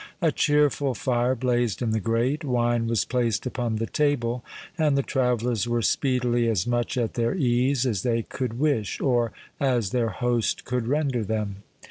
A cheerful fire blazed in the grate; wine was placed upon the table; and the travellers were speedily as much at their ease as they could wish, or as their host could render them.